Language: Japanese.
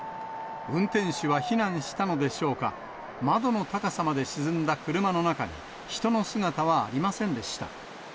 運転手は避難したのでしょうか、窓の高さまで沈んだ車の中に、人の姿はありませんでした。